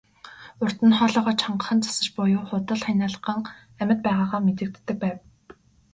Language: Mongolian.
Урьд нь хоолойгоо чангахан засах буюу худал ханиалган амьд байгаагаа мэдэгддэг байв.